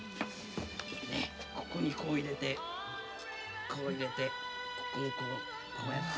ここにこう入れてこう入れてここをこうこうやって。